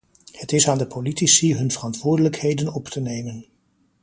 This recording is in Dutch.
Het is aan de politici hun verantwoordelijkheden op te nemen.